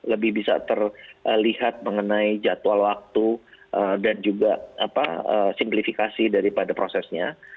lebih bisa terlihat mengenai jadwal waktu dan juga simplifikasi daripada prosesnya